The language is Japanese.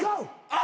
あ！